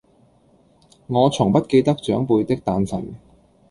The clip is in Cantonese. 我從不記得長輩的誕辰